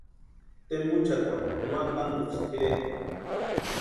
Tempuchakwarhu no antankusti tʼirekwa.